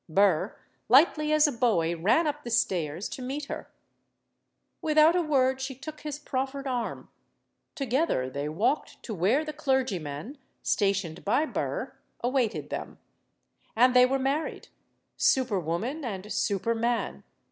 Burr, lightly as a boy, ran up the stairs to meet her. Without a word she took his proffered arm. To gether they walked to where the clergyman, stationed by Burr, awaited them. And they were married super woman and super man.